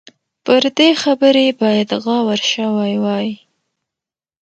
پر دې خبرې باید غور شوی وای.